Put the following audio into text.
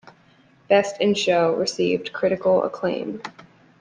"Best in Show" received critical acclaim.